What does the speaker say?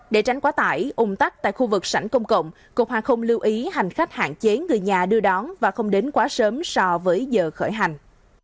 để tránh quá tải ung tắc tại khu vực sảnh công cộng cục hoàng không lưu ý hành khách hạn chế người nhà đưa đón và không đến quá sớm so với giờ khởi hành